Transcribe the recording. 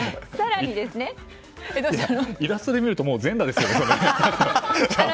イラストで見るとほぼ全裸ですよね。